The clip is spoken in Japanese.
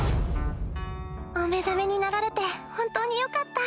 お目覚めになられて本当によかった。